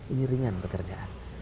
ini ringan pekerjaan